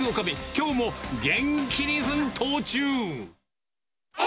きょうも元気に奮闘中。